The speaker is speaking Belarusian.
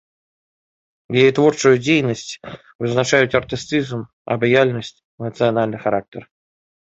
Яе творчую дзейнасць вызначаюць артыстызм, абаяльнасць, нацыянальны характар.